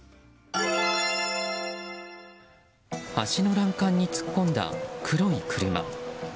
橋の欄干に突っ込んだ黒い車。